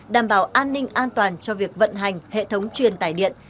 đảm bảo an ninh an toàn cho việc vận hành hệ thống truyền tải điện